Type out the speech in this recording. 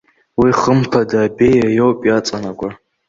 Уи, хымԥада, абеиа иоуп иаҵанакуа.